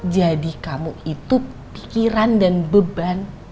jadi kamu itu pikiran dan beban